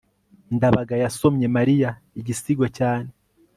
ndabaga yasomye mariya igisigo cyane